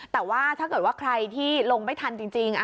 แต่ว่าถ้าเกิดว่าใครที่ลงไม่ทันจริง